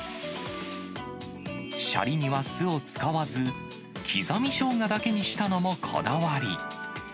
しゃりには酢を使わず、刻みしょうがだけにしたのもこだわり。